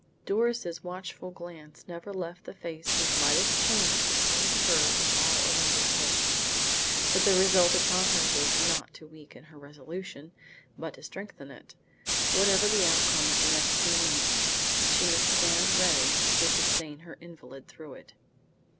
Doris' watchful glance never left the face whose lightest change was more to her than all Orlando's hopes. But the result upon her was not to weaken her resolution, but to strengthen it. Whatever the outcome of the next few minutes, she must stand ready to sustain her invalid through it.